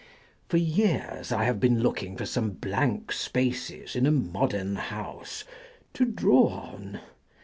For years I have been looking for some blank spaces in a modern house to draw on.